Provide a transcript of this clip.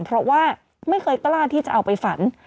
เพราะว่าไม่เคยกล้าที่จะเอาไปฝัน